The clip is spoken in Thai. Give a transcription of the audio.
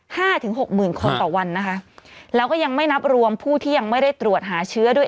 ถึงหกหมื่นคนต่อวันนะคะแล้วก็ยังไม่นับรวมผู้ที่ยังไม่ได้ตรวจหาเชื้อด้วย